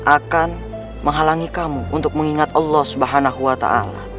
akan menghalangi kamu untuk mengingat allah subhanahu wa ta'ala